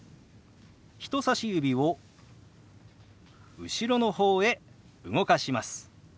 人さし指を後ろの方へ動かします。